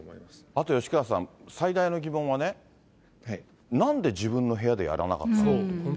あと吉川さん、最大の疑問はね、なんで自分の部屋でやらなかったのか。